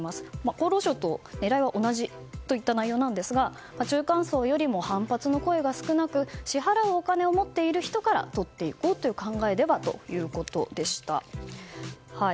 厚労省と狙いは同じといった内容なんですが中間層よりも反発の声が少なく支払うお金を持っている人からとっていこうという考えでは？ということでした。